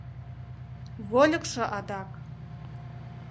Вольыкшо адак.